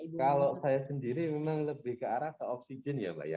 kalau saya sendiri memang lebih ke arah oksigen ya